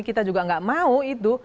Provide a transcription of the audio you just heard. kita juga nggak mau itu